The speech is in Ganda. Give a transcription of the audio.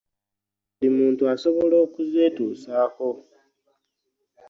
Enva za soya buli muntu asobola okuzeetuusaako.